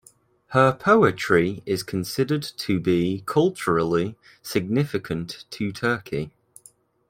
Her poetry is considered to be culturally significant to Turkey.